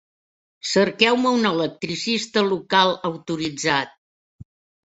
Cerqueu-me un electricista local autoritzat.